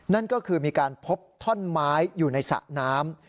นั่นก็คือมีการพบท่อนไม้อยู่ในสระน้ำ